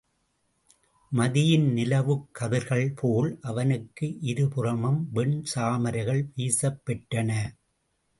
மதியின் நிலவுக் கதிர்கள்போல அவனுக்கு இருபுறமும் வெண் சாமரைகள் வீசப்பெற்றன.